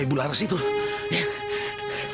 kepada ibu laras sama temannya